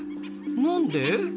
何で？